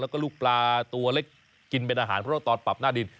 แล้วก็ลูกปลาตัวเล็กกินเป็นอาหารเพราะว่าตอนปรับหน้าดิน